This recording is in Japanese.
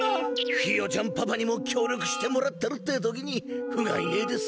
ひよちゃんパパにもきょうりょくしてもらってるってえ時にふがいねえです。